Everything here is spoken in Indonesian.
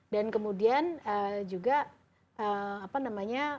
dan kemudian juga apa namanya